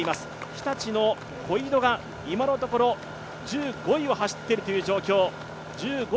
日立の小井戸が今のところ、１５位を走っている状況。